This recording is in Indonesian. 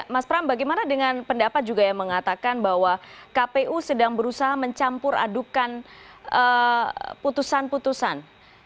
mas pram bagaimana dengan pendapat juga yang mengatakan bahwa kpu sedang berusaha mencampur adukan putusan putusan